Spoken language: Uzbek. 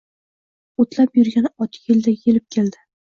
O‘tlab yurgan ot yeldek yelib keldi.